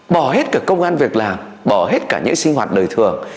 bỏ hết cả công an việc làm bỏ hết cả những sinh hoạt đời thường